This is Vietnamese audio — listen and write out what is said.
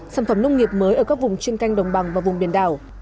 sản phẩm nông nghiệp mới ở các vùng chuyên canh đồng bằng và vùng biển đảo